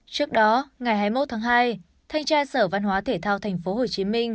trước đó ngày hai mươi một tháng hai thanh tra sở văn hóa thể thao tp hcm